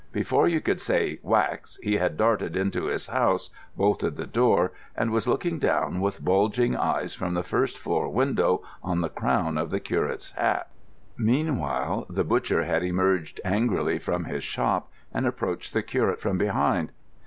Before you could say "wax," he had darted into his house, bolted the door, and was looking down with bulging eyes from the first floor window on the crown of the curate's hat. Meanwhile the butcher had emerged angrily from his shop and approached the curate from behind.